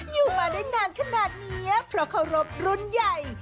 อยู่มาได้นานขนาดนี้เพราะเคารพรุ่นใหญ่